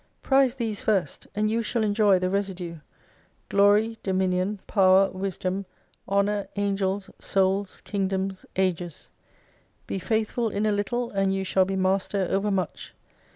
Prize these first : and you shall enjoy the residue : Glory, Dominion, Power, Wisdom, Honour, Angels, Souls, Kingdoms, Ages. Be faithful in a little, and you shall be master over much.